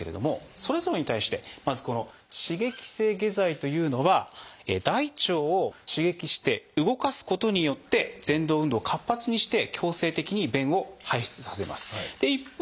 それぞれに対してまずこの刺激性下剤というのは大腸を刺激して動かすことによってぜん動運動を活発にして強制的に便を排出させます。